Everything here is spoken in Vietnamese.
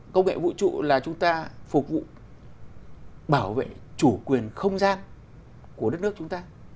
công nghệ vũ trụ là chúng ta phục vụ bảo vệ chủ quyền không gian của đất nước chúng ta